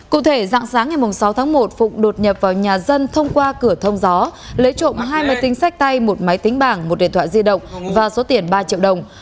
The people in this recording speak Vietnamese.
cụ thể dạng sáng ngày sáu tháng một phụng đột nhập vào nhà dân thông qua cửa thông gió lấy trộm hai máy tính sách tay một máy tính bảng một điện thoại di động và số tiền ba triệu đồng